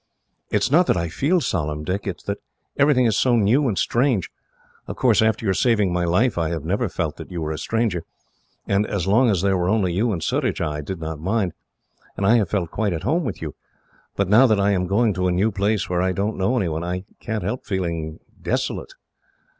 "It is not that I feel solemn, Dick. It is that everything is so new and strange. Of course, after your saving my life, I have never felt that you were a stranger, and as long as there were only you and Surajah, I did not mind, and I have felt quite at home with you. But now that I am going to a new place, where I don't know anyone, I can't help feeling desolate."